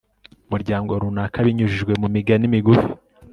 umuryango runaka binyujijwe mu migani migufi